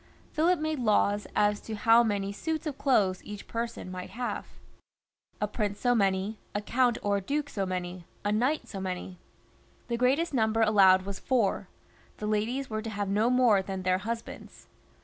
Philip made laws as to how many suits of clothes each person might have — a prince so many, a count or a duke so many, a knight so many. The greatest number allowed was four ; the ladies were to have no more than their husbands.